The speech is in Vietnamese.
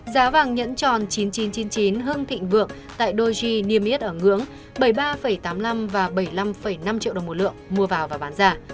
giá vàng nhẫn tròn chín nghìn chín trăm chín mươi chín hưng thịnh vượng tại doji niêm yết ở ngưỡng bảy mươi ba tám mươi năm và bảy mươi năm năm triệu đồng một lượng mua vào và bán ra